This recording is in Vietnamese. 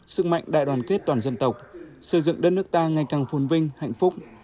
sức mạnh đại đoàn kết toàn dân tộc xây dựng đất nước ta ngày càng phôn vinh hạnh phúc